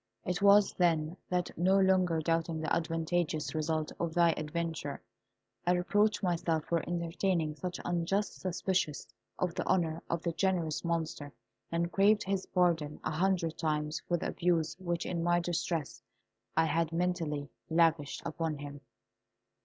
It was then that, no longer doubting the advantageous result of thy adventure, I reproached myself for entertaining such unjust suspicions of the honour of that generous Monster, and craved his pardon a hundred times for the abuse which, in my distress, I had mentally lavished upon him.